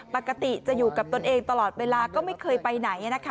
ปกติจะอยู่กับตนเองตลอดเวลาก็ไม่เคยไปไหนนะคะ